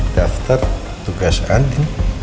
daftar tugas andi